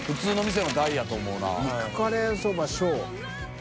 肉カレーそば」